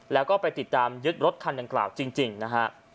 แล้วก็ไปติดตามยึดรถคันดังกล่าวจริงนะฮะ